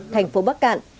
thành phố bắc cạn